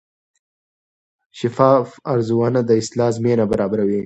شفاف ارزونه د اصلاح زمینه برابروي.